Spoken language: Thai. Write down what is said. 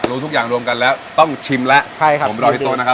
รู้ทุกอย่างรวมกันแล้วต้องชิมแล้วใช่ครับผมรอที่โต๊ะนะครับ